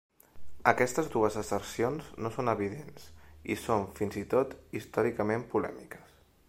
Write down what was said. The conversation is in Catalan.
Aquestes dues assercions no són evidents i són fins i tot històricament polèmiques.